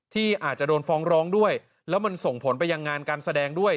ที่อาจจะโดนฟ้องร้องด้วยแล้วมันส่งผลไปยังงานการแสดงด้วย